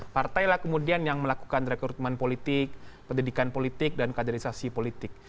partailah kemudian yang melakukan rekrutmen politik pendidikan politik dan kaderisasi politik